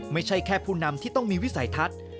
ไม่ใช่แค่ผู้นำที่ต้องมีวิสัยทัศน์